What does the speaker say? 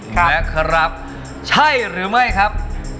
และครับใช่หรือไม่ครับ